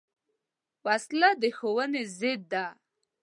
وسله د ښوونې ضد ده